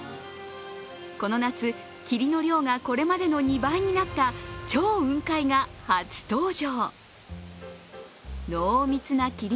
この夏、霧の量がこれまでの２倍になった超雲海が初登場。